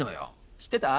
知ってた？